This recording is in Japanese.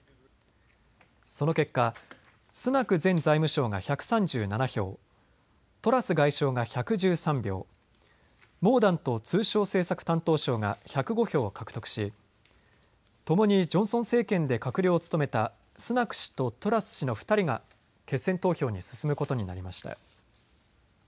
その結果、スナク前財務相が１３７票、トラス外相が１１３票、モーダント通商政策担当相が１０５票を獲得しともにジョンソン政権で閣僚を務めたスナク氏とトラス氏の２人が決選投票に進むことになりました。